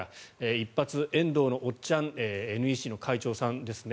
一発、遠藤のおっちゃんＮＥＣの会長さんですね